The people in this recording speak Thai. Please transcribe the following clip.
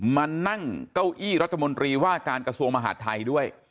มานั่งเก้าอี้รัฐมนตรีว่าการกระทรวงมหาดไทยด้วย